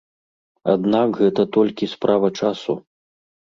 Аднак гэта толькі справа часу.